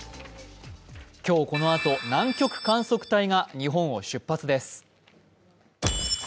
今日このあと南極観測隊が日本を出発です。